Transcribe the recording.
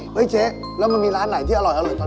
เฮ้ยเจ๊แล้วมันมีร้านไหนที่อร่อยตอนนี้อร่อย